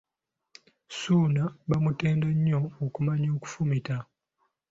Ssuuna bamutenda nnyo okumanya okufumita.